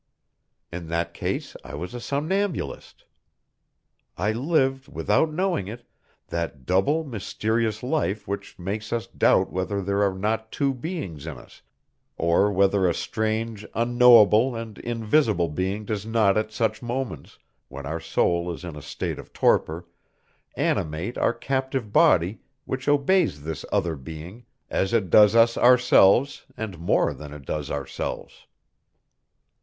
In that case I was a somnambulist. I lived, without knowing it, that double mysterious life which makes us doubt whether there are not two beings in us, or whether a strange, unknowable and invisible being does not at such moments, when our soul is in a state of torpor, animate our captive body which obeys this other being, as it does us ourselves, and more than it does ourselves.